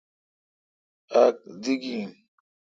اک دی گین۔